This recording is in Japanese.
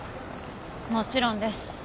もちろんです。